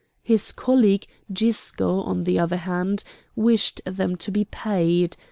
His colleague Gisco, on the other hand, wished them to be paid.